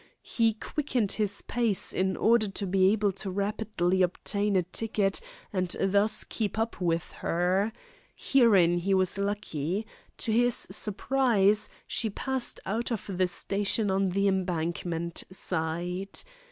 He quickened his pace in order to be able to rapidly obtain a ticket and thus keep up with her. Herein he was lucky. To his surprise, she passed out of the station on the embankment side.